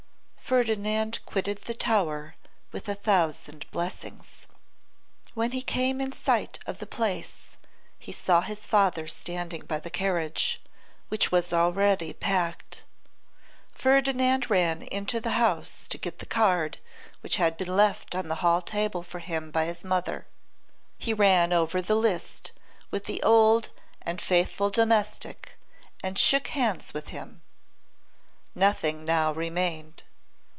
Ferdinand quitted the tower with a thousand blessings. When he came in sight of the Place he saw his father standing by the carriage, which was already packed. Ferdinand ran into the house to get the card which had been left on the hall table for him by his mother. He ran over the list with the old and faithful domestic, and shook hands with him. Nothing now remained.